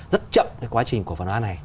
rất chậm cái quá trình cổ phần hóa này